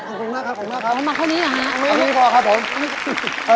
โอโธของหน้าครับครับเอาทีนี้พอครับผม